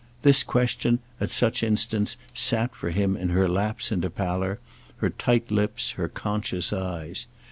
—this question, at such instants, sat for him in her lapse into pallor, her tight lips, her conscious eyes.